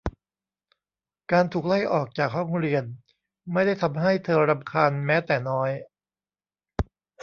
การถูกไล่ออกจากห้องเรียนไม่ได้ทำให้เธอรำคาญแม้แต่น้อย